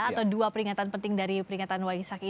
atau dua peringatan penting dari peringatan